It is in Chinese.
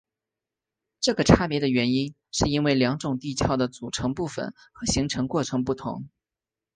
这个差别的原因是因为两种地壳的组成部分和形成过程不同。